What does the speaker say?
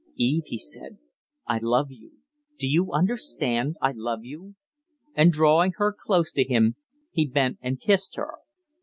"Eve," he said, "I love you. Do you understand I love you." And drawing her close to him he bent and kissed her.